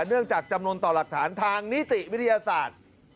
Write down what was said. เนื่องจากจำนวนต่อหลักฐานทางนิติวิทยาศาสตร์